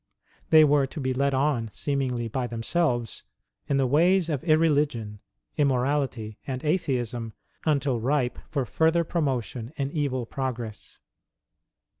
They were to be led on, seemingly by themselves, in the ways of irreligion, immorality, and Atheism, until ripe for further promotion in evil progress.